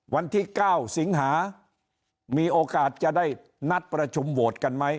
วันที่๙สิงหามีโอกาสจะได้นัดประชุมโหวตกันไหม